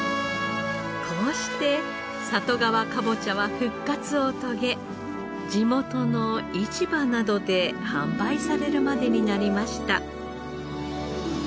こうして里川かぼちゃは復活を遂げ地元の市場などで販売されるまでになりました。